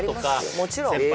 もちろんえ